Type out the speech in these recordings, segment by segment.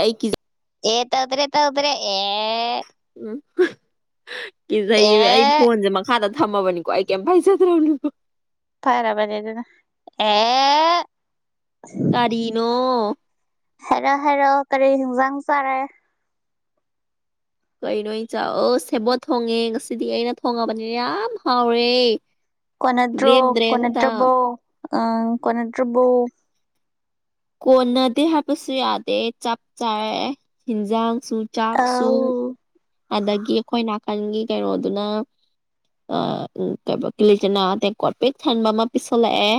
ꯑꯩ ꯆ ꯑꯦ ꯇꯧꯗꯔꯦ ꯇꯧꯗꯔꯦ ꯑꯦ [unintelligible] ꯑꯩ ꯑꯦ ꯐꯣꯟꯁꯦ ꯃꯈꯥꯗ ꯊꯃꯕꯅꯤꯀꯣ ꯑꯩ ꯀꯦ ꯄꯩꯁꯗ꯭ꯔꯣ ꯐꯔꯕꯔꯦ ꯑꯗꯨꯅ ꯑꯦ ꯀꯔꯤꯅꯣ ꯍꯥꯏꯔꯣ ꯍꯥꯏꯔꯣ ꯀꯔꯤ ꯍꯤꯟꯖꯥꯡ ꯆꯥꯔꯦ ꯀꯩꯅꯣ ꯏ ꯆꯥꯛ ꯑꯣ ꯁꯦꯕꯣꯠ ꯊꯣꯡꯉꯦ ꯉꯁꯤꯗꯤ ꯑꯩꯅ ꯊꯣꯡꯉꯕꯅꯤꯅ ꯌꯥꯝ ꯍꯥꯎꯔꯦ ꯀꯅꯦꯗ꯭ꯔꯣ ꯂꯦꯝꯗ꯭ꯔꯦ ꯑꯝꯇ ꯀꯅꯦꯗ꯭ꯔꯣꯕꯣ ꯑ ꯀꯅꯗ꯭ꯔꯕꯨꯣ ꯀꯣꯟꯅꯗꯦ ꯍꯥꯏꯕꯁꯨ ꯌꯥꯗꯦ ꯆꯞ ꯆꯥꯔꯦ ꯌꯦꯟꯖꯥꯡ ꯁꯨ ꯆꯥꯛꯁꯨ ꯑꯧ ꯑꯗꯒꯤ ꯑꯩꯈꯣꯏ ꯅꯥꯀꯟꯒꯤ ꯀꯩꯅꯣꯗꯨꯅ ꯑ ꯀꯂꯤꯆꯅꯥ ꯇꯦꯡꯀꯣꯠ ꯄꯤꯛ ꯊꯟꯕ ꯑꯃ ꯄꯤꯁꯜꯂꯛꯑꯦ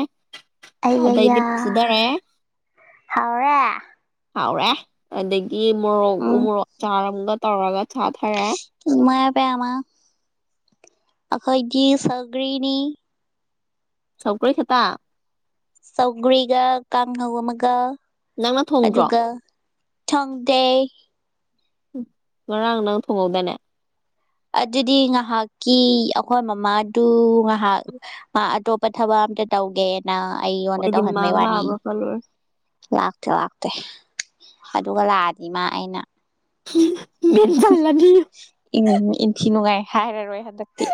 ꯑꯗꯩꯗꯤ ꯑꯌꯥ ꯐꯨꯊꯔꯦ ꯍꯥꯎꯔꯦ ꯍꯥꯎꯔꯦ ꯑꯗꯨꯗꯒꯤ ꯇ ꯃꯣꯔꯣꯛ ꯎ ꯎꯝ ꯃꯣꯔꯣꯛ ꯆꯥꯔꯝꯒ ꯇꯧꯔꯒ ꯁꯥ ꯊꯔꯦ ꯄꯃ ꯑꯩꯈꯣꯏꯒꯤ ꯁꯒꯔꯤꯅꯤ ꯁꯧꯀ ꯈꯦꯇꯥ ꯆꯧꯒ꯭ꯔꯤꯒ ꯀꯥꯡꯍꯧ ꯑꯃꯒ ꯅꯪꯅ ꯊꯣꯡꯗ꯭ꯔꯣ ꯊꯪꯗ ꯉꯥꯔꯥꯡ ꯅꯪꯅ ꯊꯣꯡꯉꯣꯗꯅꯦ ꯑꯗꯨꯗꯤ ꯉꯥꯏꯍꯥꯛꯀꯤ ꯑꯩꯈꯣꯏ ꯃꯃꯥꯗꯨ ꯉꯥꯏꯍꯥꯛ ꯑꯇꯣꯞꯄ ꯊꯕꯛ ꯑꯝꯇ ꯇꯧꯒꯦ ꯑꯩꯉꯣꯟꯗ ꯑꯩꯗꯤ ꯇꯧꯍꯟꯕꯩ ꯃꯥꯡ ꯋꯥꯅꯤ ꯂꯥꯛꯑꯕ꯭ꯔꯥ ꯈꯜꯂꯨꯔꯦ ꯂꯥꯛꯇꯦ ꯂꯥꯛꯇꯦ ꯑꯗꯨꯒ ꯂꯥꯛꯑꯗꯤ ꯏ ꯃꯥ ꯑꯩꯅ ꯍꯝ [inaudible] ꯃꯤꯅ ꯆꯜꯂꯅꯤ ꯏꯟꯊꯤ ꯅꯨꯡꯉꯥꯏ ꯍꯥꯏꯔꯔꯣꯏ ꯍꯟꯗꯛꯇꯤ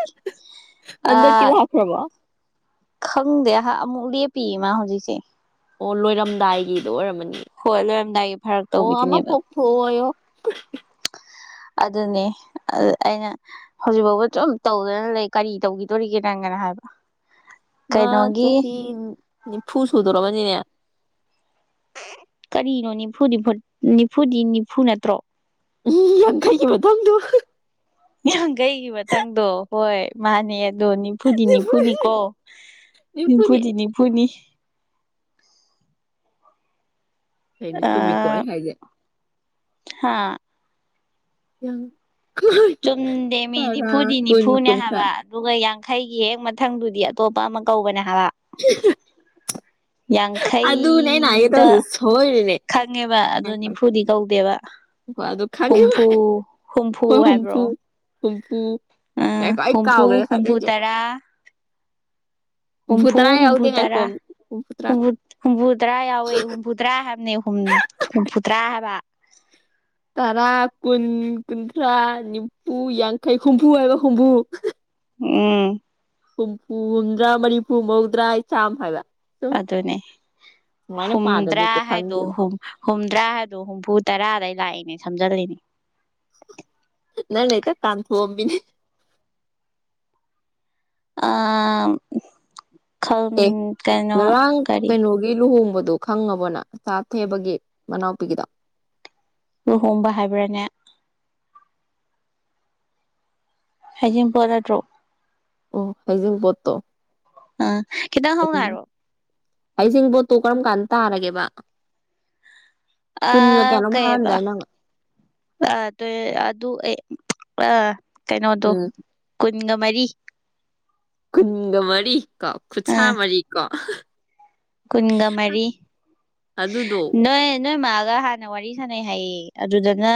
ꯑ ꯑꯗ ꯀꯂ ꯍꯥꯈ꯭ꯔꯃ ꯈꯪꯗꯦ ꯑꯃꯨꯛ ꯂꯦ ꯄꯤꯃ ꯍꯧꯖꯤꯛꯁꯦ ꯑꯣ ꯂꯣꯏꯔꯝꯗꯥꯏꯒꯤꯗꯣ ꯑꯣꯏꯔꯝꯃꯅꯤ ꯍꯣꯏ ꯂꯣꯏꯔꯝꯗꯥꯏꯒꯤ ꯐꯔꯛ ꯑꯣ ꯑꯃꯥ ꯇꯧꯕꯤꯗꯨꯅꯦꯕ ꯄꯣꯛ ꯊꯣ ꯑꯗꯨꯅꯦ ꯑꯩꯅ ꯍꯧꯖꯤꯛꯐꯥꯎꯕ ꯁꯨꯝ ꯇꯧꯗꯅ ꯂꯩ ꯀꯔꯤ ꯇꯧꯈꯤꯗꯣꯔꯤꯒꯦ ꯅꯪꯒꯅ ꯍꯥꯏꯕ ꯃꯥ ꯀꯩꯅꯣꯒꯤ ꯆꯍꯤ ꯅꯤꯐꯨ ꯁꯨꯗꯣꯔꯔꯕꯅꯤꯅꯦ ꯀꯔꯤꯅꯣ ꯅꯤꯐꯨꯗꯤ ꯅꯤꯐꯨꯗꯤ ꯅꯤꯐꯨ ꯅꯠꯇ꯭ꯔꯣ ꯎꯝ ꯌꯥꯡꯈꯩꯒꯤ ꯃꯊꯪꯗꯨ ꯌ ꯀꯩꯒꯤ ꯃꯊꯪꯗꯣ ꯍꯣꯏ ꯃꯥꯅꯦ ꯑꯗꯣ ꯅꯤꯐꯨ ꯅꯤꯝꯐꯨꯗꯤꯅꯤꯐꯨꯅꯤꯀꯣ ꯅꯤꯐꯨꯅꯤ ꯅꯤꯝꯐꯨꯗꯤꯅꯤꯐꯨꯅꯤ ꯀꯩꯅꯣ ꯆꯨꯝꯃꯤꯀꯣ ꯑꯩ ꯍꯥꯏꯁꯦ ꯍꯥꯥ ꯌꯥ ꯆꯨꯝꯗꯦ ꯃꯤ ꯅꯤꯐꯨꯗꯤ ꯀꯨꯟ ꯅꯤꯐꯨꯅꯦ ꯀꯨꯟꯊ꯭ꯔꯥ ꯍꯥꯏꯕ ꯑꯗꯨꯒ ꯌꯥ ꯈꯩꯒꯤ ꯍꯦꯛ ꯃꯊꯪꯗꯨꯗꯤ ꯑꯇꯣꯞꯄ ꯑꯃ ꯀꯧꯕꯅꯦ ꯑꯗꯨꯅꯦ ꯑꯩꯅ ꯍꯥꯏꯒꯦ ꯌꯥꯡꯈꯩꯗ ꯇꯧꯔꯤꯁꯦ ꯁꯣꯏꯔꯤꯅꯦ ꯈꯪꯉꯦꯕ ꯑꯗꯨ ꯅꯤꯐꯨꯗꯤ ꯀꯧꯗꯦꯕ ꯑꯗꯨ ꯍꯨꯝꯐꯨ ꯍꯨꯝꯐꯨ ꯍꯥꯏꯕ ꯎ ꯍ ꯇꯨꯨꯝꯐꯨ ꯑꯝ ꯍꯨꯝꯐꯨ ꯍꯨꯝꯐꯨ ꯇꯔꯥ ꯍꯨꯝꯐꯨ ꯇꯔꯥ ꯌꯥꯎꯗꯦ ꯍꯨꯝꯐꯨꯇꯔꯥ ꯉꯥꯏꯈꯣꯝ ꯍꯨꯝꯐꯨ ꯇꯔꯥ ꯍꯨꯝꯐꯨꯇꯔꯥ ꯌꯥꯎꯋꯦ ꯍꯨꯝꯐꯨꯇꯔꯥ ꯍꯥꯏꯕꯅꯦ ꯍꯨꯝꯐꯨꯇꯔꯥ ꯍꯥꯏꯕ ꯇꯔꯥ ꯀꯨꯟ ꯀꯨꯟꯊ꯭ꯔꯥ ꯅꯤꯐꯨ ꯌꯥꯡꯈꯩ ꯍꯨꯝꯐꯨ ꯍꯥꯏꯕ ꯍꯨꯝꯐꯨ ꯎꯝ ꯍꯨꯝꯐꯨ ꯍꯨꯝꯗ꯭ꯔꯥ ꯃꯔꯤꯐꯨ ꯃꯧꯗ꯭ꯔꯥ ꯏ ꯆꯥꯝ ꯍꯥꯏꯕ ꯁꯨꯝ ꯑꯗꯨꯅꯦ ꯁꯨꯃꯥꯏꯅ ꯄꯥꯗꯗꯤ ꯍꯨꯝꯗ꯭ꯔꯥ ꯍꯦꯛꯇ ꯍꯥꯏꯗꯣ ꯈꯪꯗꯦꯕ ꯍꯨꯝꯗ꯭ꯔꯥ ꯍꯥꯏꯗꯣ ꯍꯨꯝꯐꯨ ꯇꯔꯥꯗ ꯂꯥꯛꯏꯅꯦ ꯊꯝꯖꯔꯣꯏꯅꯤ ꯅ ꯅ ꯏ ꯇ ꯀꯥꯟꯊꯝꯕꯤꯅꯦ ꯑ ꯑꯦ ꯉꯔꯥꯡ ꯀꯩꯅꯣꯒꯤ ꯂꯨꯍꯣꯡꯕꯗꯣ ꯑꯗꯨ ꯈꯪꯉꯕꯣꯅ ꯆꯥꯊꯦꯕꯒꯤ ꯃꯅꯥꯎꯄꯤꯒꯤꯗꯣ ꯂꯨꯍꯣꯡꯕ ꯍꯥꯏꯕ꯭ꯔꯥꯅꯦ ꯍꯖꯤꯝ ꯄꯔ ꯇ꯭ꯔꯣ ꯑꯣ ꯍꯩꯖꯤꯡꯄꯣꯠꯠꯇꯣ ꯑ ꯀꯗ ꯍꯣꯡꯉꯔ ꯍꯩꯖꯤꯡꯕꯣꯠꯇꯨ ꯀꯔꯝ ꯀꯥꯟꯗ ꯇꯥꯔꯒꯦꯕ ꯑ ꯀꯨꯟꯒ ꯀꯌꯥꯅꯣꯝ ꯀꯩꯕ ꯍꯥꯏꯔꯝꯗꯥꯏ ꯅꯪ ꯑ ꯑꯗꯨ ꯑꯥ ꯀꯩꯅꯣꯗꯣ ꯎꯝ ꯏ ꯃꯔꯤ ꯀꯖꯋꯥꯅꯤ ꯀꯣ ꯈꯨꯠꯁꯥ ꯃꯔꯤ ꯀꯣ ꯀꯨꯟꯒꯥ ꯃꯔꯤ ꯑꯗꯨꯗꯣ ꯅꯣꯏ ꯅꯣꯏ ꯃꯥꯜ ꯒ ꯍꯥꯟꯅ ꯋꯥꯔꯤ ꯁꯥꯟꯅꯩ ꯍꯥꯏꯌꯦ ꯑꯗꯨꯗꯅ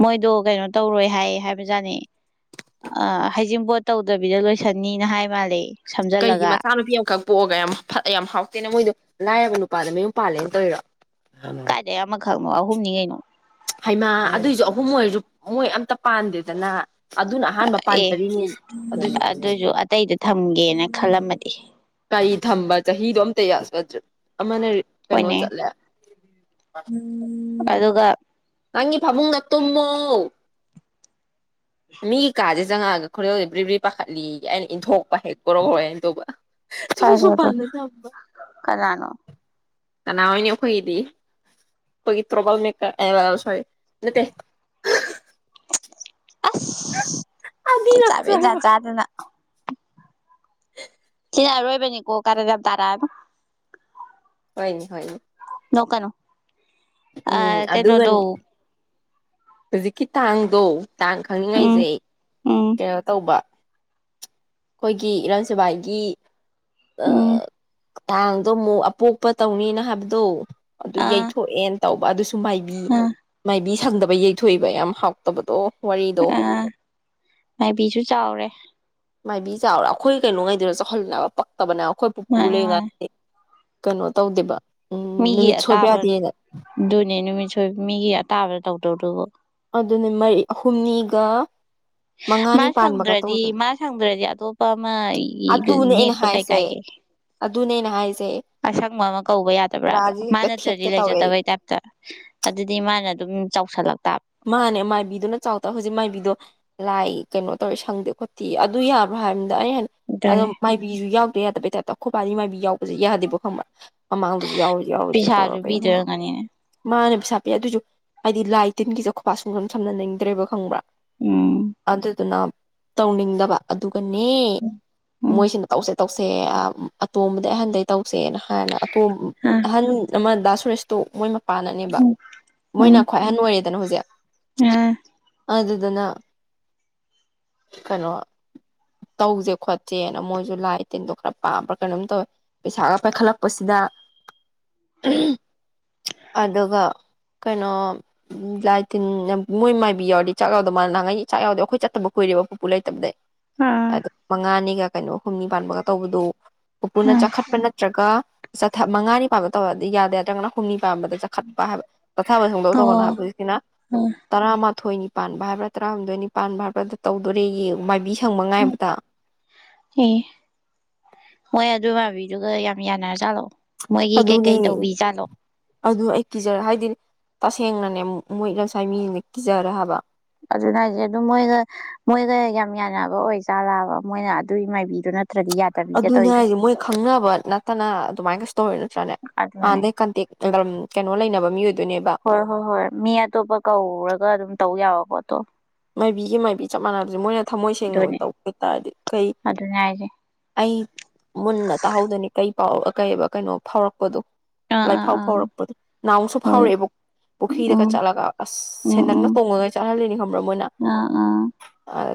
ꯃꯣꯏꯗꯣ ꯀꯩꯅꯣ ꯇꯧꯔꯣꯏ ꯍꯥꯏ ꯍꯥꯏꯕꯖꯥꯠꯅꯦ ꯍꯩꯖꯤꯡꯄꯣꯠ ꯇꯧꯗꯕꯤꯗ ꯂꯣꯏꯁꯟꯅꯤꯅ ꯍꯥꯏ ꯃꯥꯜꯂꯦ ꯀꯩꯒꯤ ꯁꯝꯖꯜꯂꯒ ꯃꯆꯥꯅꯨꯄꯤ ꯑꯃꯈꯛ ꯄꯣꯛꯑꯒ ꯌꯥꯝ ꯌꯥꯝ ꯍꯥꯎꯇꯦꯅ ꯃꯣꯏꯗꯣ ꯂꯥꯏꯕ ꯅꯨꯄꯥꯜꯗ ꯃꯌꯨꯝ ꯄꯥꯜꯂꯦꯅ ꯇꯧꯣꯏꯔꯥ ꯀꯥꯏꯗꯦ ꯌꯥꯝꯃꯛꯒ ꯈꯛꯅꯣ ꯑꯍꯨꯝꯅꯤ ꯀꯩꯅꯣ ꯍꯩꯃꯥ ꯑꯗꯨꯏꯁꯨ ꯑꯍꯨꯝ ꯑꯣꯏꯔꯁꯨ ꯃꯣꯏ ꯑꯝꯇ ꯄꯥꯟꯗꯦꯗꯅ ꯑꯗꯨꯅ ꯑꯍꯥꯟꯕ ꯑꯦ ꯄꯥꯟꯖꯔꯤꯅꯤ ꯑꯗꯨꯏꯁꯨ ꯑꯗꯨꯁꯨ ꯑꯇꯩꯗ ꯊꯝꯒꯦꯅ ꯈꯜꯂꯝꯃꯗꯤ ꯀꯔꯤ ꯊꯝꯕ ꯆꯍꯤꯗꯣ ꯑꯝꯇ ꯌꯥꯁ ꯅꯗ꯭ꯔ ꯑꯣꯏꯅꯅꯦ ꯑꯗꯨꯒ ꯅꯪꯒꯤ ꯐꯥꯕꯨꯡ ꯅ ꯃꯇꯨꯡꯏꯟꯅꯣ ꯀꯃ ꯃꯤꯒꯤ ꯀꯖꯦ ꯖꯒꯥꯒ ꯈꯨꯔꯦꯜꯗ ꯕꯔꯤꯕ꯭ꯔꯤ ꯄꯥꯈꯠꯂꯤꯒꯦ ꯑꯩꯅ ꯏꯟꯊꯣꯛꯄ ꯍꯦꯛ ꯄꯣꯔꯣꯔꯣꯏ ꯍꯥꯏꯅ ꯇꯧꯕ ꯁꯣꯝꯁꯨ ꯐꯔ ꯄꯥꯟꯅꯗꯕ ꯀꯅ ꯅꯥꯅꯦ ꯍꯣꯏꯗꯤ ꯍꯒꯤ꯭ꯔꯣꯕꯜ ꯃ ꯍ ꯅꯠꯇ [unintelligible] ꯑ ꯑꯅꯤꯔꯛ ꯆꯥꯕꯦ ꯆ ꯆꯥꯗꯅ ꯍ ꯌꯥ ꯔꯣꯏꯕ ꯅ ꯀꯣ ꯀꯥꯔꯝ ꯇꯥꯔꯥ ꯍꯅꯤ ꯍꯅꯤ ꯅꯣꯀꯅꯨ ꯎꯝ ꯑꯗꯒꯅꯤ ꯍꯧꯖꯤꯛꯀꯤ ꯇꯥꯡꯗꯣ ꯇꯥꯡ ꯎꯝ ꯈꯪꯅꯤꯡꯉꯥꯏꯖꯩ ꯎꯝ ꯀꯩꯅ ꯇꯧꯕ ꯑꯩꯈꯣꯏꯒꯤ ꯏꯔꯥꯡ ꯁꯦꯕꯥꯏꯒꯤ ꯑ ꯎꯝ ꯇꯥꯡꯗꯣ ꯑꯃꯨꯛ ꯑꯄꯣꯛꯄ ꯇꯧꯅꯤꯅ ꯍꯥꯏꯕꯗꯣ ꯑꯗꯨ ꯑꯥ ꯌꯩꯊꯣꯛꯑꯦꯅ ꯇꯧꯕ ꯑꯗꯨ ꯃꯥꯏꯕꯤ ꯑꯥ ꯃꯥꯏꯕꯤ ꯁꯪꯗꯕ ꯌꯩꯊꯣꯛꯏꯕ ꯌꯥꯝ ꯍꯥꯎꯇꯕꯗꯣ ꯋꯥꯔꯤꯗ ꯑꯥ ꯃꯥꯏꯕꯤꯁꯨ ꯆꯥꯎꯔꯦ ꯃꯥꯏꯕꯤ ꯆꯥꯎꯔꯥ ꯑꯩꯈꯣꯏ ꯀꯩꯅꯣꯉꯩꯗꯨꯗ ꯆꯥꯎꯍꯜꯅꯕ ꯇꯕꯅꯦ ꯑꯩꯈꯣꯏ ꯄꯨ ꯄꯨꯨ ꯃꯥꯅꯦ ꯂꯩ ꯃꯥꯅꯦ ꯉꯥꯏ ꯀꯩꯅꯣ ꯇꯧꯗꯦꯕ ꯎꯝ ꯃꯤꯒꯤ ꯅꯨꯃꯤꯠ ꯁꯣꯏꯕ ꯌꯥꯗꯦꯅ ꯑꯇꯥꯕꯗꯨꯅꯦ ꯅꯨꯃꯤꯠ ꯣꯏ ꯃꯤꯒꯤ ꯑꯇꯥꯕꯗ ꯇꯧꯗꯧꯗꯨꯕꯨ ꯑꯗꯨꯅꯤ ꯃꯔꯤ ꯍꯨꯝꯅꯤꯒ ꯃꯥ ꯃꯉꯥꯅꯤ ꯄꯥꯟꯕꯒ ꯁꯪꯗ꯭ꯔꯗꯤ ꯇꯧꯗꯅ ꯃꯥ ꯁꯪꯗ꯭ꯔꯗꯤ ꯑꯇꯣꯞꯄ ꯑꯃ ꯑꯗꯨꯅꯦ ꯑꯩꯅ ꯅꯦꯛꯄ ꯀꯩ ꯍꯥꯏꯁꯦ ꯀꯥꯏꯒꯦ ꯑꯗꯨꯅꯦ ꯑꯩꯅ ꯍꯥꯏꯁꯦ ꯑꯁꯪꯕ ꯑꯃ ꯀꯧꯕ ꯌꯥꯗꯕ꯭ꯔꯕ ꯔꯥꯁꯦ ꯃꯥ ꯍꯦꯛꯇ ꯅꯠꯇ꯭ꯔꯗꯤ ꯊꯦꯠꯀꯦ ꯇꯧꯋꯦ ꯂꯩꯖꯗꯕꯩ ꯇꯥꯏꯞꯇ ꯑꯗꯨꯗꯤ ꯃꯥꯅ ꯑꯗꯨꯝ ꯆꯥꯎꯁꯜꯂꯛꯇ ꯃꯥꯅꯦ ꯃꯥꯏꯕꯤꯗꯨꯅ ꯆꯥꯎ ꯇ ꯍꯧꯖꯤꯛ ꯃꯥꯏꯕꯤꯗꯣ ꯂꯥꯏ ꯀꯩꯅꯣ ꯇꯧꯔꯦ ꯁꯪꯗꯦ ꯈꯣꯠꯇꯦ ꯑꯗꯨ ꯌꯥꯕ꯭ꯔꯥ ꯍꯥꯏꯕ ꯍꯦ ꯑꯣ ꯑꯗꯨꯅꯦ ꯃꯥꯏꯕꯤꯁꯨ ꯌꯥꯎ ꯄ ꯌꯥꯗꯕꯦ ꯇ ꯑꯩꯈꯣꯏ ꯄꯅꯤ ꯃꯥꯏꯕꯤ ꯌꯥꯎꯁꯦ ꯌꯥꯗꯦꯕꯣ ꯈꯪ꯭ꯔꯥ ꯃꯃꯥꯡꯗꯁꯨ ꯌꯥꯎꯋ ꯌꯥꯎꯋ ꯄꯩꯁꯥꯁꯨ ꯆꯠꯇꯧꯔꯕ ꯌꯥꯟꯗ ꯄꯤꯗꯣꯏꯔꯝꯒꯅꯤꯅꯦ ꯃꯥꯅꯦ ꯁꯥꯞꯄ ꯑꯗꯨꯁꯨ ꯍꯥꯏꯗꯤ ꯂꯥꯏ ꯇꯤꯟꯒꯤꯁꯦ ꯈꯨꯕꯥꯛ ꯁꯨꯡꯒꯝ ꯁꯝꯅꯅꯤꯡꯗ꯭ꯔꯕ ꯈꯪꯕ꯭ꯔꯥ ꯑꯦ ꯑꯗꯨ ꯑꯗꯨꯅ ꯇꯧꯅꯤꯡꯗꯕ ꯑꯗꯨ ꯅꯦ ꯃꯣꯏꯁꯤꯅ ꯇꯧꯁꯦ ꯇꯧꯁꯦ ꯑꯇꯣꯝꯕꯗꯤ ꯑꯍꯟꯗꯩ ꯇꯧꯁꯦꯅ ꯍꯥꯏꯔꯅ ꯍꯜ ꯑꯃ ꯗꯥ ꯁꯨꯔꯦꯁꯇꯣ ꯃꯣꯏ ꯄꯥꯅꯅꯦꯕ ꯃꯣꯏꯅ ꯈ꯭ꯋꯥꯏꯍꯟ ꯑꯣꯏꯔꯦ ꯅ ꯍꯧꯖꯤ ꯑꯥ ꯑꯗꯨꯗꯨꯅ ꯀꯩꯅꯣ ꯇꯧꯁꯦ ꯈꯣꯠꯁꯦꯅ ꯃꯣꯏꯁꯨ ꯂꯥꯏ ꯇꯤꯟꯗꯣ ꯈꯔ ꯄꯥꯝꯕ꯭ꯔꯥ ꯀꯩꯅꯣꯝ ꯇꯧꯋꯦ ꯄꯩꯁꯥꯒ ꯄꯥꯏꯈꯠꯂꯛꯄꯁꯤꯗ ꯑꯗꯨꯒ ꯀꯩꯅꯣ ꯎꯝ ꯂꯥꯏ ꯇꯤꯟ ꯃꯣꯏ ꯃꯥꯏꯕꯤ ꯌꯥꯎꯗꯤ ꯆꯥꯛ ꯌꯥꯎꯗꯕ ꯃꯥꯅꯍꯥꯡꯉꯛꯩ ꯆꯥꯛ ꯌꯥꯎꯗꯦ ꯑꯩꯈꯣꯏ ꯆꯠꯇꯕ ꯀꯨꯔꯦꯕ ꯄꯨꯄꯨ ꯂꯩꯇꯕꯗꯩ ꯑꯗꯨ ꯃꯉꯅꯤꯒ ꯀꯩꯅꯣ ꯍꯨꯝꯅꯤ ꯄꯥꯟꯕꯒ ꯇꯧꯕꯗꯨꯣ ꯎꯄꯨꯅ ꯆꯥꯈꯠꯄ ꯅꯠꯇ꯭ꯔꯒ ꯆꯠ ꯃꯉꯥꯅꯤꯥꯕ ꯇꯧꯔꯗꯤ ꯌꯥꯗ ꯌꯥꯗ꯭ꯔꯪꯒꯅ ꯍꯨꯝꯅꯤ ꯝꯕꯗ ꯆꯠꯈꯠꯄ ꯍꯥꯏꯕ ꯆꯠꯊꯕ ꯍꯪꯗꯧ ꯇꯧꯕꯒꯅꯣ ꯍꯥꯏꯕ ꯇꯥ ꯃꯥꯊꯣꯏꯅꯤ ꯄꯥꯟꯕ ꯍꯥꯏꯕ꯭ꯔꯥ ꯇꯔꯥꯍꯨꯝꯗꯣꯏꯅꯤ ꯄꯥꯟꯕ ꯍꯥꯏꯕ꯭ꯔꯥ ꯇꯧꯗꯣꯔꯦꯥꯏꯕꯤ ꯊꯪꯕ ꯉꯥꯏꯕꯗ ꯃꯣꯏ ꯑꯗꯨ ꯃꯥꯥꯕꯤꯗꯨꯒ ꯌꯥꯝ ꯌꯥꯅꯔꯖꯥꯠꯂꯛꯑꯣ ꯃꯣꯏꯒꯤ ꯀꯩꯀꯩ ꯑꯗꯨꯅꯦ ꯇꯧꯕꯤ ꯖꯥꯠꯂꯣ ꯑꯗꯨ ꯑꯩ ꯀꯤꯖꯔꯦ ꯍꯥꯏꯗꯤ ꯇꯁꯦꯡꯅꯅꯦ ꯃꯣꯏ ꯂꯝꯁꯥꯏ ꯃꯤꯅ ꯀꯤꯖꯔꯦ ꯍꯥꯏꯕ ꯑꯗꯨꯅ ꯍꯥꯏꯁꯦ ꯑꯗꯨꯝ ꯃꯣꯏꯒ ꯃꯣꯏꯒ ꯌꯥꯝ ꯌꯥꯅꯕ ꯑꯣꯏ ꯆꯥꯔꯥꯕ ꯃꯣꯏꯅ ꯑꯗꯨꯒꯤ ꯃꯥꯏꯕꯤꯗꯨ ꯅꯠꯇ ꯑꯗꯨꯅꯦ ꯍꯥꯏꯗꯤꯦ ꯃꯣꯏ ꯈꯪꯅꯕ ꯅꯠꯇꯅ ꯑꯗꯨꯃꯥꯏꯅ ꯀꯩꯁꯨ ꯇꯧꯋꯦ ꯅꯠꯇ꯭ꯔꯥꯅꯦ ꯑꯗꯨꯅꯅꯦ ꯍꯥꯟꯅꯗꯒꯤꯩ ꯀꯟꯇꯦꯛ ꯀꯩꯅꯣ ꯂꯩꯅꯕ ꯃꯤꯑꯣꯏ ꯍꯣꯏ ꯍꯣꯏ ꯍꯣꯏ ꯃꯤ ꯑꯇꯣꯞꯄ ꯀꯧꯔꯒ ꯑꯗꯨꯝ ꯇꯧ ꯌꯥꯋ ꯋꯥꯇꯣ ꯃꯥꯏꯕꯤꯒꯤ ꯃꯥꯏꯕꯤ ꯆꯞ ꯃꯥꯟꯅꯕꯁꯦ ꯃꯣꯏꯅ ꯊꯝꯃꯣꯏ ꯁꯦꯡꯅ ꯑꯗꯨꯅꯦ ꯇꯧꯕ ꯍꯥꯏꯇꯥꯔꯗꯤ ꯀꯩ ꯑꯗꯨꯅꯦ ꯍꯥꯏꯁꯦ ꯑꯩ ꯃꯨꯟꯅ ꯇꯥꯍꯧꯗꯣꯏꯅꯤ ꯀꯩ ꯄꯥꯎ ꯀꯩ ꯀꯩꯅꯣ ꯐꯥꯎꯔꯛꯄꯗꯣ ꯑꯥ ꯑꯥ ꯂꯥꯏꯐꯥꯎ ꯑꯥ ꯐꯥꯎꯔꯛꯄꯗꯣ ꯅꯥꯎꯁꯨ ꯍꯣꯏ ꯐꯥꯎꯔꯛꯑꯦꯕ ꯄꯨꯈ꯭ꯔꯤꯗꯒ ꯎꯝ ꯆꯠꯂꯒ ꯑꯁ ꯎꯝ ꯁꯦꯟꯗꯪꯅ ꯎꯝ ꯇꯣꯡꯉꯒ ꯆꯠꯍꯜꯂꯤꯅꯤ ꯈ ꯭ꯔꯃꯅꯥ ꯑꯥ ꯑꯥ ꯑ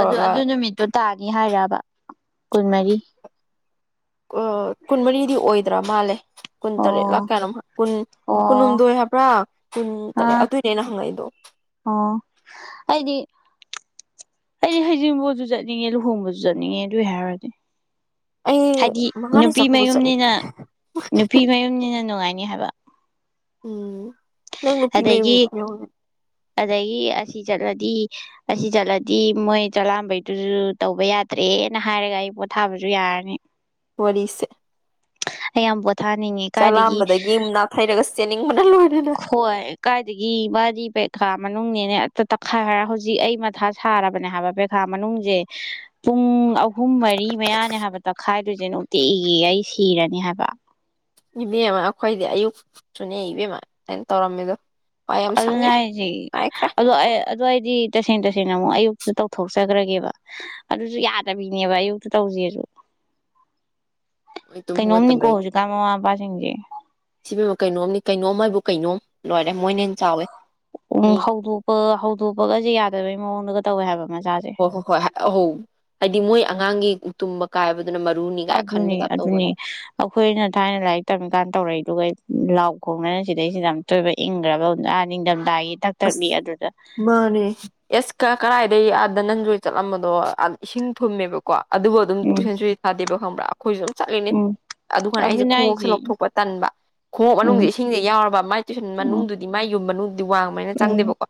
ꯑꯗꯨ ꯑꯗꯨ ꯅꯨꯃꯤꯠꯇꯣ ꯇꯥꯅꯤ ꯍꯥꯏꯔꯔꯕ ꯈꯨꯟꯃꯔꯤ ꯀꯨꯟꯃꯔꯤꯗꯤ ꯑꯣꯏꯗ꯭ꯔꯥ ꯃꯥꯜꯂꯦ ꯀꯨꯟ ꯇꯔꯦ ꯑꯣ ꯂ ꯀꯔꯝ ꯀꯨꯟ ꯑꯣ ꯀꯨꯟꯍꯨꯝꯗꯣꯏ ꯍꯥꯏꯕ꯭ꯔꯥ ꯑ ꯀꯨꯟ ꯇꯔꯦꯠ ꯑꯥ ꯑꯗꯨꯏꯅꯦ ꯑꯩꯅ ꯍꯪꯉꯛꯏꯗꯣ ꯑꯣ ꯑꯩꯗꯤ ꯑꯩꯗꯤ ꯍꯩꯖꯤꯡꯕꯥꯎꯁꯨ ꯆꯠꯅꯤꯡꯉꯦ ꯂꯨꯍꯣꯡꯕꯁꯨ ꯆꯠꯅꯤꯡꯉꯦ ꯑꯗꯨꯏ ꯍꯥꯏꯔꯗꯤ ꯑꯩ ꯍꯥꯏꯗꯤ ꯃꯉꯥꯅꯤ ꯅꯨꯄꯤ ꯆꯥꯛꯀꯧꯕ ꯆꯠꯅꯤꯡ ꯃꯌꯨꯝꯅꯤꯅ ꯅꯨꯄꯤ ꯃꯌꯨꯝꯅꯤꯅ ꯅꯨꯡꯉꯥꯏ ꯅꯤ ꯍꯥꯏꯕ ꯎꯝ ꯅ ꯐ ꯑꯗꯒꯤ ꯑꯗꯒꯤ ꯑꯁꯤ ꯆꯠꯂꯗꯤ ꯑꯁꯤ ꯆꯠꯂꯗꯤ ꯃꯣꯏ ꯆꯂꯥꯝꯕꯩꯗꯨꯁꯨ ꯇꯧꯕ ꯌꯥꯗ꯭ꯔꯦꯅ ꯍꯥꯏꯔꯒ ꯑꯩ ꯄꯣꯊꯥꯕꯁꯨ ꯌꯥꯔꯅꯤ ꯋꯥꯔꯤꯁꯦ ꯑ ꯌꯥꯝꯕꯨ ꯆꯂꯥꯝꯕꯗꯒꯤ ꯑꯃ ꯅꯥꯊꯩꯔꯒ ꯆꯦꯟꯅꯤꯡꯕꯅ ꯂꯣꯏꯔꯅꯤ ꯍꯣꯏ ꯀꯥꯏꯗꯒꯤ ꯃꯥꯗꯤ ꯄꯩꯈꯥ ꯃꯅꯨꯡꯅꯦꯅꯦ ꯇꯛꯈꯥꯏ ꯍꯥꯏꯔ ꯍꯧꯖꯤꯛ ꯑꯩ ꯃꯊꯥ ꯁꯥꯔꯕꯅꯦ ꯍꯥꯏꯕ ꯄꯦꯈꯥ ꯃꯅꯨꯡꯁꯦ ꯄꯨꯡ ꯑꯍꯨꯝ ꯃꯔꯤ ꯃꯌꯥꯅꯦ ꯍꯥꯏꯕ ꯇꯛꯈꯥꯏꯗꯨꯣꯏꯁꯦ ꯅꯨꯡꯇꯤꯒꯤ ꯑꯩ ꯁꯤꯔꯅꯤ ꯍꯥꯏꯕ ꯏꯕꯦꯝꯃ ꯑꯩꯈꯣꯏꯗꯤ ꯑꯌꯨꯛ ꯁꯨꯅꯦ ꯏꯕꯦꯝꯃ ꯑꯩꯅ ꯇꯧꯔꯝꯃꯦꯗꯣ ꯑꯗꯨꯅꯗꯤ ꯑꯗꯨ ꯑꯗꯨꯗ ꯑꯩꯗꯤ ꯇꯁꯦꯡ ꯇꯁꯦꯡꯅ ꯑꯃꯨꯛ ꯑꯌꯨꯛꯇ ꯇꯧꯊꯣꯛꯆꯈ꯭ꯔꯒꯦꯕ ꯑꯗꯨꯁꯨ ꯌꯥꯗꯕꯤꯅꯦꯕ ꯑꯌꯨꯛꯇꯨ ꯇꯧꯁꯦꯁꯨ ꯃꯣꯏ ꯇꯨꯝ ꯀꯩꯅꯣꯝꯅꯤꯀꯣ ꯍꯧꯣꯡꯒꯠꯇꯕꯩ ꯍꯧꯖꯤꯛꯀꯥꯟ ꯃꯃꯥ ꯃꯄꯥꯁꯤꯡꯁꯦ ꯁꯤꯕ ꯀꯩꯅꯣꯝ ꯀꯩꯅꯣꯝ ꯍꯥꯏꯕꯨ ꯀꯩꯅꯣ ꯂꯣꯏꯔꯦ ꯃꯣꯏꯅ ꯍꯦꯟꯅ ꯆꯥꯎꯋꯦ ꯎꯝ ꯃꯤ ꯍꯧꯗꯣꯛꯄ ꯍꯧꯗꯣꯛꯄꯒꯁꯦ ꯌꯥꯗꯕꯩ ꯃꯑꯣꯡꯗꯒ ꯇꯧꯋꯦ ꯍꯥꯏ ꯑꯃ ꯍꯣꯏ ꯍꯣ ꯍꯣꯏ ꯑꯍꯣ ꯍꯥꯏꯗꯤ ꯃꯣꯏ ꯑꯉꯥꯡꯒꯤ ꯇꯨꯝꯕ ꯀꯥꯏꯕ ꯑꯗꯨꯅꯤ ꯑꯗꯨꯅꯤ ꯑꯩꯈꯣꯏꯅ ꯊꯥꯏꯅ ꯂꯥꯏꯔꯤꯛ ꯇꯝꯃꯤꯀꯥꯟ ꯇꯧꯔꯛꯏꯗꯨ ꯂꯥꯎ ꯈꯣꯡꯅꯅ ꯁꯤꯗꯩꯁꯤꯗ ꯌꯥꯝ ꯇꯣꯏꯕ ꯏꯪꯈ꯭ꯔꯕꯥ ꯅꯤꯡꯗꯝ ꯑꯁ ꯃꯥꯅꯦ ꯑꯦꯁ ꯀ ꯀ ꯑꯗꯩ ꯑꯥꯗ ꯅꯟ ꯖꯣꯏ ꯆꯠꯂꯝꯕꯗꯣ ꯏꯁꯤꯡ ꯊꯨꯝꯃꯦꯕꯀꯣ ꯑꯗꯨꯕꯨ ꯑꯗꯨꯝ ꯎꯝ ꯆꯣꯏꯁꯟ ꯁꯣꯏ ꯊꯥꯗꯦꯕ ꯑꯃꯔ [inaudible] ꯑꯩꯈꯣꯏꯁꯨ ꯑꯗꯨꯝ ꯆꯠꯂꯤꯅꯤ ꯎꯝ ꯑꯗꯨꯥꯟꯅ ꯑꯩꯁꯦ ꯑꯗꯨꯅꯦ ꯈꯣꯡꯎꯣꯛꯁꯦ ꯍꯥꯏꯁꯦ ꯂꯧꯊꯣꯛꯄ ꯇꯟꯕ ꯈꯣꯡꯉꯞ ꯎꯝ ꯃꯅꯨꯡꯁꯦ ꯏꯁꯤꯡꯁꯦ ꯌꯥꯎꯔꯕ ꯃꯥꯏ ꯇꯨꯏꯁꯟ ꯎꯝ ꯃꯅꯨꯡꯗꯨꯗꯤ ꯃꯥꯥꯏ ꯌꯨꯝ ꯃꯅꯨꯡ ꯑꯗꯨ ꯋꯥ ꯎꯝ ꯆꯪꯗꯦꯕꯀꯣ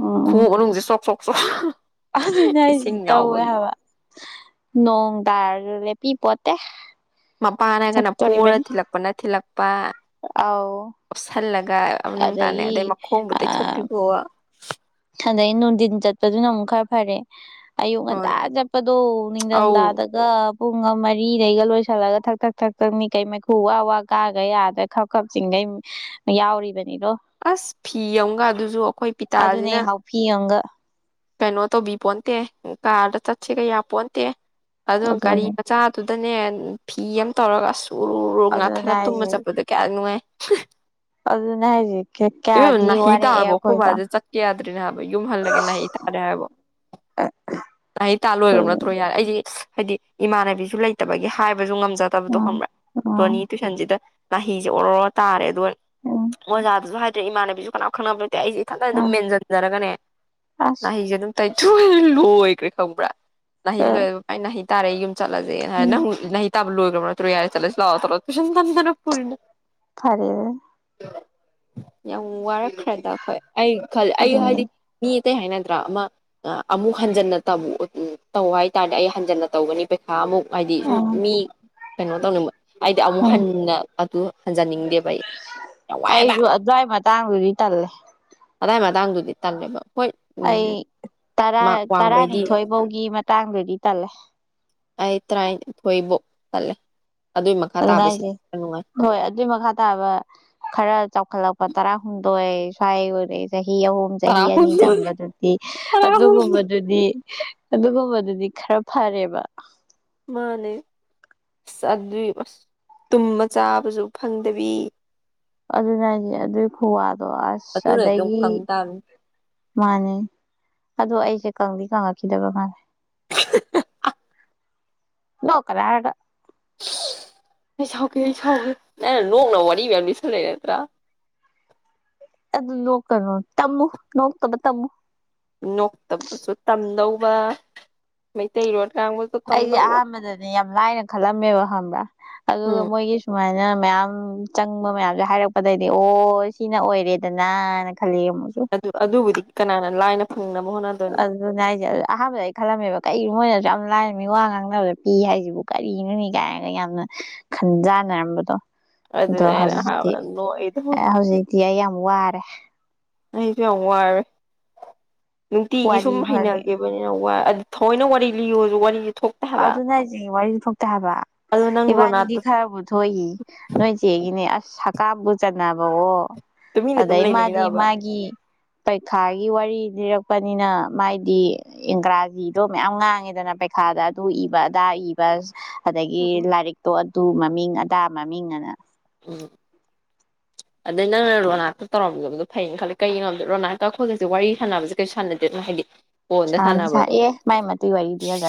ꯑꯣ ꯈꯣꯡꯎꯞꯅꯨꯡꯁꯦ ꯁꯣꯛ ꯁꯣꯛ ꯑ ꯑꯗꯨꯅꯦ ꯑꯩꯁꯤ ꯇꯧꯋꯦ ꯍꯥꯏꯕ ꯅꯣꯡ ꯇꯥꯔꯒ ꯄꯄꯠꯇ ꯃꯄꯥꯟꯅ ꯍꯥꯏꯔꯒꯅ ꯄꯣꯔꯔ ꯊꯤꯜꯂꯛꯄꯅ ꯊꯤꯜꯂꯛꯄ ꯄ ꯑꯥꯎ ꯑꯣꯞ ꯁꯜ ꯂ ꯃꯅꯨꯡ ꯇꯥꯅ ꯑꯗꯩ ꯑꯗꯒꯤ ꯃꯈꯣꯡꯕꯨ ꯇꯩꯊꯣꯛꯄꯤꯕꯣ ꯑꯗꯩ ꯅꯨꯡꯊꯤꯟ ꯆꯠꯄꯗꯨꯅ ꯑꯃꯨꯛ ꯈꯔ ꯐꯔꯦ ꯑꯌꯨꯛ ꯉꯟꯇꯥ ꯍꯣꯏ ꯆꯠꯄꯗꯣ ꯑꯧ ꯅꯤꯡꯊꯝꯊꯥꯗꯒ ꯄꯨꯡ ꯑꯃ ꯃꯔꯤꯗꯩꯒ ꯂꯣꯏꯁꯤꯜꯂꯒ ꯊꯛ ꯊꯛ ꯊꯛ ꯊꯛꯅꯤ ꯀꯩ ꯃꯩꯈꯨ ꯋꯥ ꯋꯥ ꯀꯥꯒ ꯌꯥꯗ ꯈꯞ ꯈꯞ ꯆꯤꯡꯒꯩ ꯌꯥꯎꯔꯤꯕꯅꯤ ꯑꯁ ꯐꯤ ꯑꯃꯒ ꯑꯗꯨꯁꯨ ꯑꯩꯈꯣꯏ ꯑꯗꯨꯅꯦ ꯄꯤꯇꯥꯁꯤꯅ ꯍꯥꯎꯄꯤ ꯆꯪꯒ ꯀꯩꯅꯣ ꯇꯧꯕꯤ ꯄꯣꯟꯇꯦ ꯀꯥꯔꯗ ꯆꯠꯁꯤ ꯀꯌꯥ ꯄꯣꯟꯇꯦ ꯑꯣ ꯒꯥꯔꯤ ꯑꯗꯨꯅꯦ ꯃꯆꯥ ꯗꯅꯦ ꯐꯤ ꯑꯃ ꯇꯧꯔꯒ ꯑꯁ ꯎꯔꯔꯣꯛ ꯑꯗꯨꯅꯦ ꯉꯅꯥꯊꯅ ꯇꯨꯝꯕ ꯆꯠꯄꯗꯣ ꯀꯌꯥ ꯅꯨꯡꯉꯥꯏ [unintelligible] ꯑꯗꯨ ꯑꯗꯨꯅ ꯍꯥꯏꯔꯤ ꯏ ꯅꯥꯍꯤ ꯇꯥꯔꯕꯣ ꯈꯨꯣꯕꯥꯁꯦ ꯆꯠꯀꯦ ꯌꯥꯗ꯭ꯔꯔꯤꯅꯦ ꯍꯥꯏꯕ ꯌꯨꯝ ꯍꯜꯂꯒꯦ ꯅꯥꯍꯤ ꯇꯥꯔꯦ ꯍꯥꯏꯕ ꯅꯅꯥꯍꯤ ꯇꯥ ꯑꯩꯈꯣꯏ ꯂꯣꯏꯈ꯭ꯔꯕ ꯅꯠꯇ꯭ꯔꯣ ꯌꯥꯔꯦ ꯑꯩꯁ ꯍꯥꯏꯗꯤ ꯏꯃꯥꯟꯅꯕꯤꯁꯨ ꯂꯩꯇꯕꯒꯤ ꯍꯥꯏꯕ ꯍꯥꯏꯁꯨ ꯉꯝꯖꯗꯕꯗꯣ ꯎꯝ ꯎꯝ ꯈꯪꯕ꯭ꯔꯥꯣꯅꯤ ꯇꯨꯏꯁꯟꯁꯤꯗ ꯃꯍꯁꯦ ꯑꯣꯔ ꯑꯣꯔ ꯇꯥꯔꯦ ꯎꯝ ꯑꯣꯖꯗꯁꯨ ꯍꯥꯏ ꯏꯃꯥꯅꯦꯕꯤꯁꯨꯅꯥ ꯈꯅꯕ ꯑꯩꯁꯦ ꯏ ꯊꯖꯅ ꯑꯗꯨꯝ ꯑꯥ ꯃꯦꯟꯁꯤꯟꯖꯔꯒꯅꯦ ꯑꯁ ꯃꯍꯍꯩꯁꯦ ꯑꯗꯨꯝ ꯀ ꯊꯨꯅ ꯂꯣꯏꯈ꯭ꯔꯦ ꯈꯪꯕ꯭ꯔꯥ ꯂꯍꯍꯤ ꯂꯣꯏꯕ ꯄꯥꯏ ꯅꯍ ꯇꯔꯨꯝ ꯆꯠꯂꯁꯦ ꯎꯝ ꯅꯪ ꯇꯕꯨ ꯂꯣꯏꯒ ꯇ ꯌꯥꯔ ꯆꯂ ꯂꯥꯎ ꯇꯗꯅ ꯄꯨꯅ ꯐꯔꯦ ꯑꯗꯨ [unintelligible] ꯌꯥꯝ ꯋꯥꯔꯦ ꯈꯔ ꯇꯈꯣꯏ ꯑꯩ ꯈ ꯑꯩ ꯑꯗꯨꯅꯤ ꯍꯥꯏꯗꯤ ꯃꯤ ꯑꯇꯩ ꯍꯥꯏ ꯅꯠꯇ꯭ꯔꯥ ꯑꯃ ꯑꯃꯨꯛ ꯍꯟꯖꯟꯅ ꯇ ꯇꯧ ꯍꯥꯏꯇꯥꯥꯔꯗꯤ ꯑꯩ ꯍꯟꯖꯟꯅ ꯇꯧꯒꯅꯤ ꯄꯩꯁꯥ ꯑꯃꯨꯛ ꯍꯥꯏꯗꯤ ꯁꯨꯝ ꯑꯥ ꯃꯤ ꯀꯩꯅꯣ ꯇꯧꯅꯤꯡ ꯍꯥꯏꯗꯤ ꯑꯃꯨꯛ ꯎꯝ ꯍꯟꯅ ꯑꯗꯨ ꯍꯟꯖꯅꯤꯡꯉꯤ ꯚꯥꯏ ꯋꯥ ꯍꯥꯏꯦꯕ ꯇꯥꯡꯔꯤ ꯇꯂꯦ ꯇꯥꯏꯃ ꯇꯥꯡꯗꯨꯗꯤ ꯇꯥꯟꯦꯕ ꯍꯣꯏ ꯎ ꯑꯩ ꯇꯔꯥ ꯇꯔꯥꯅꯤꯊꯣꯏ ꯐꯧꯒꯤ ꯃꯇꯥꯡꯗꯗꯤ ꯇꯜꯂꯦ ꯑꯥꯏ ꯄꯣꯏꯕꯣ ꯑꯂꯦ ꯑꯗꯨꯅꯁꯦ ꯍꯣꯏ ꯑꯗꯨꯏ ꯃꯈꯥ ꯇꯥꯕ ꯈꯔ ꯆꯥꯎꯈꯠꯂꯛꯄ ꯀ ꯇꯔꯥ ꯈꯨꯟꯗꯣꯋ ꯁꯥꯏ ꯆꯍꯤ ꯑꯍꯨꯝ ꯆꯍꯤ ꯑꯅꯤ ꯇꯔꯥꯍꯨꯝꯗꯣꯏ ꯇꯝꯕꯗꯨꯗꯤ ꯇꯔꯥꯍꯨꯝꯗꯣꯏ ꯑꯗꯨꯒꯨꯝꯕꯗꯨꯗꯤ ꯑꯗꯨꯒꯨꯝꯕꯗꯨꯗꯤ ꯈꯔ ꯐꯔꯦꯕ ꯃꯥꯅꯦ ꯑꯁ ꯑꯗꯨꯏ ꯑꯁ ꯇꯨꯝꯃ ꯆꯥꯕꯁꯨ ꯐꯪꯗꯕꯤ ꯑꯗꯨ ꯅꯅꯦ ꯑꯗꯨꯏ ꯈꯨꯋꯥ ꯑꯗꯣ ꯑꯁ ꯑꯗꯨꯅ ꯑꯗꯨꯝ ꯑꯗꯒꯤ ꯀꯪ ꯇꯥꯕꯅꯤ ꯃꯥꯅꯦ ꯑꯗꯣ ꯑꯩ ꯦ ꯀꯪꯕꯤ ꯀꯪꯉꯥꯈꯤꯗꯕꯅ [unintelligible] ꯂꯣꯛ ꯀꯔꯔꯒ ꯑꯩ ꯁꯥꯎꯒꯦ ꯑꯩ ꯁꯥꯎꯒꯦ ꯑꯩꯅ ꯅꯣꯛꯅꯕ ꯋꯥꯔꯤ ꯃꯌꯥꯝ ꯂꯤꯁꯂ ꯅꯠꯇ꯭ꯔꯥ ꯑꯗꯨ ꯅꯣꯛꯀꯅꯨ ꯇꯝꯃꯨ ꯅꯣꯛꯇꯕ ꯇꯝꯃꯨ ꯅꯣꯛꯇꯕꯁꯨ ꯇꯝꯗꯧꯕ ꯃꯩꯇꯩꯔꯣ ꯑꯩꯁꯦ ꯑꯍꯥꯟꯕꯗꯅꯦ ꯌꯥꯝ ꯂꯥꯏꯅ ꯈꯜꯂꯝꯃꯦꯕ ꯈꯪꯕ꯭ꯔꯥ ꯑꯗꯨꯒ ꯎꯝ ꯃꯣꯏꯒꯤ ꯁꯨꯃꯥꯏꯅ ꯑꯗꯨ ꯃꯌꯥꯝ ꯆꯪꯕ ꯃꯌꯥꯝꯁꯦ ꯍꯥꯏꯔꯛꯄꯗꯩꯗꯤ ꯑꯣ ꯁꯤꯅ ꯑꯣꯏꯔꯦꯗꯅ ꯑꯗꯨ ꯑꯗꯨꯕꯨꯗꯤ ꯀꯅꯥꯅ ꯂꯥꯏꯟ ꯑꯗꯨ ꯅꯥꯏꯁꯦ ꯑꯗꯨ ꯑꯍꯥꯟꯕꯗ ꯑꯩ ꯈꯜꯂꯝꯃꯦꯕ ꯀꯩꯒꯤꯣ ꯃꯣꯏꯅ ꯌꯥꯝ ꯂꯥꯏꯔꯝꯃꯤ ꯋꯥ ꯉꯥꯡꯅꯕꯗ ꯄꯤ ꯍꯥꯏꯁꯤꯕꯨ ꯀꯔꯤꯅꯅꯤ ꯀꯥꯏꯅꯒ ꯌꯥꯝꯅ ꯈꯟꯖꯥꯟꯅꯔꯝꯕꯗꯣ ꯑꯗꯣ ꯑꯗꯨꯅꯦ ꯑꯩꯅ ꯍꯧꯖꯤꯛꯇꯤ ꯑꯍꯥꯟꯕ ꯅꯣꯛꯏꯗꯣ ꯍꯧꯖꯤꯛꯇꯤ ꯑꯩ ꯌꯥꯝ ꯋꯥꯔꯦ ꯑꯗꯤ ꯑꯋꯥ ꯍꯥꯏꯦ ꯅꯨꯡꯇꯤꯒꯤ ꯋꯥꯔꯤ ꯁꯨꯝ ꯐꯪꯉꯦ ꯍꯩꯅꯕꯅꯤꯅ ꯋꯥ ꯊꯣꯏꯅ ꯋꯥꯔꯤ ꯂꯤꯌꯨꯁꯨ ꯋꯥꯔꯤ ꯑꯗꯨꯅ ꯑꯩꯁꯦ ꯋꯥꯔꯤꯁꯨ ꯊꯣꯛꯣꯛꯇꯕ ꯑꯗꯣ ꯅꯪ ꯏꯕꯥꯅꯤꯗꯤ ꯔꯣꯅꯥꯠꯇ ꯈꯔꯕꯨ ꯊꯣꯛꯏ ꯅꯣꯏ ꯆꯦꯒꯤꯅꯦ ꯁꯀꯥ ꯖꯥ ꯅꯅꯥꯕꯕꯑꯣ ꯇꯨꯃꯤꯟꯅ ꯑꯗꯨꯝ ꯑꯗꯩ ꯃꯥꯗꯤ ꯂꯩꯅꯩꯔꯕ ꯃꯥꯒꯤ ꯄꯔꯤꯈꯥꯒꯤ ꯋꯥꯔꯤ ꯂꯤꯔꯛꯄꯅꯤꯅ ꯃꯥꯏꯗꯤ ꯏꯪꯒ꯭ꯔꯥꯖꯤꯗꯣ ꯃꯌꯥꯝ ꯉꯥꯡꯉꯦꯗꯅ ꯄꯩꯈꯥꯗ ꯑꯗꯨ ꯏꯕ ꯑꯗꯥ ꯏꯕ ꯑꯗꯒꯤ ꯎꯝ ꯂꯥꯏꯔꯤꯛꯇꯣ ꯇꯨ ꯃꯃꯤꯡ ꯑꯗꯥ ꯃꯃꯤꯡ ꯑꯅ ꯎꯝ ꯑꯗꯩ ꯅꯪꯅ ꯔꯣꯅꯥꯛꯇ ꯇꯧꯔꯝꯗꯕꯗꯣ ꯐꯅ ꯈꯜꯂꯦ ꯀꯩꯒꯤꯅꯣꯝꯗꯦ ꯔꯣꯅꯥꯛꯇꯈꯣꯏꯒꯁꯦ ꯋꯥꯔꯤ ꯁꯥꯟꯅꯕꯁꯦ ꯀꯩꯁꯨ ꯁꯥꯟꯅꯗꯦ ꯑꯗꯨꯅꯣ ꯍꯥꯏꯗꯤ ꯐꯣꯟꯗ ꯍ ꯍ ꯁꯥꯟꯅꯕꯗꯣ ꯑꯦ ꯃꯥꯏꯃ ꯇ ꯋꯥꯔꯤꯏꯗꯤꯗ